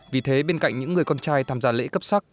vì thế bên cạnh những người con trai tham gia lễ cấp sắc